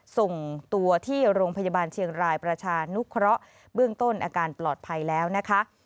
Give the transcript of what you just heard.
ส่งตัวที่โรงพยาบาลเชียงรายประชานุเคราะห์เบื้องต้นอาการปลอดภัยแล้วนะคะ